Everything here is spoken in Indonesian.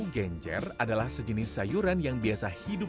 genjer adalah sejenis sayuran yang biasa hidup